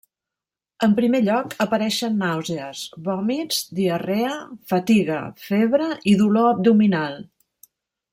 En primer lloc apareixen nàusees, vòmits, diarrea, fatiga, febre i dolor abdominal.